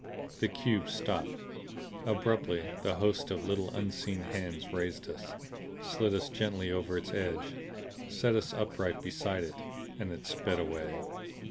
The cube stopped, abruptly; the hosts of little unseen hands raised us, slid us gently over its edge, set us upright beside it. And it sped away.